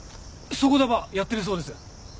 そこだばやってるそうです。